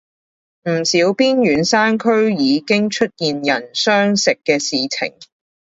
唔少邊遠山區已經開始出現人相食嘅事情